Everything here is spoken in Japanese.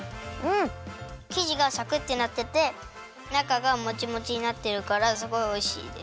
きじがさくってなっててなかがもちもちになってるからすごいおいしいです。